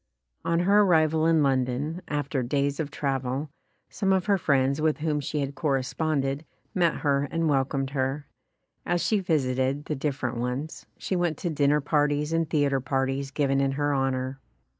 On her arrival in London, after days of travel, some of her friends with whom she had corresponded, met her and welcomed her. As she visited the different ones, she went to dinner parties and theatre par ties given in her honor.